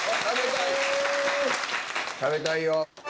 食べたいよ。